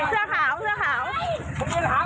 เสื้อขาวเสื้อขาว